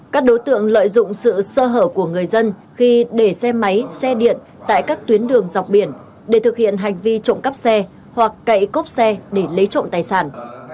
các đối tượng lợi dụng sự sơ hở của người dân khi để xe máy xe điện tại các tuyến đường dọc biển để thực hiện hành vi trộm cắp xe hoặc cậy cốp xe để lấy trộm tài sản